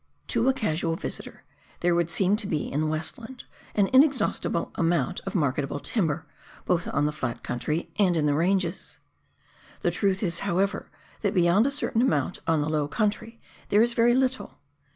To a casual visitor, there would seem to be in Westland an inexhaustible amount of marketable timber, both on the flat country and in the ranges. The truth is, however, that beyond a certain amount on the low country there is very little.